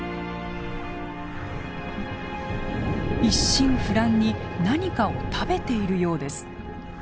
一心不乱に何かを食べているようです。